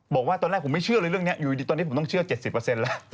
บอกว่าตอนแรกผมไม่เชื่อเลยเรื่องนี้อยู่ดีตอนนี้ผมต้องเชื่อ๗๐แล้ว